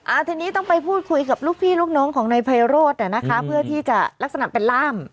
ทีนี้ต้องไปพูดคุยกับลูกพี่ลูกน้องของนายไพโรธอ่ะนะคะเพื่อที่จะลักษณะเป็นล่าม